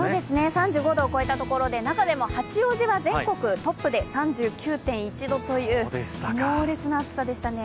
３５度を超えたところで中でも八王子は、全国トップで３９．１度という猛烈な暑さでしたね。